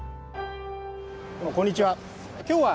こんにちは。